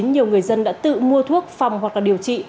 nhiều người dân đã tự mua thuốc phòng hoặc điều trị